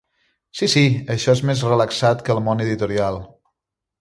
Sí, sí, això és més relaxat que el món editorial.